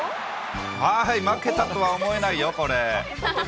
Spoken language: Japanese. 負けたとは思えないよ、これ。